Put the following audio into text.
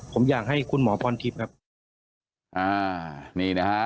ผมอยากให้คุณหมอพรทิพย์ครับอ่านี่นะฮะ